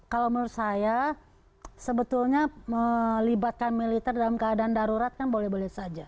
kalau menurut saya sebetulnya melibatkan militer dalam keadaan darurat kan boleh boleh saja